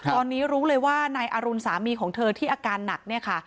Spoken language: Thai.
ตอนนี้รู้เลยว่านายอรุณสามีของเธอที่อาการหนักเนี่ยค่ะ